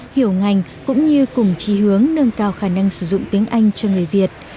hiểu ngành cũng như cùng trí hướng nâng cao khả năng sử dụng tiếng anh cho người việt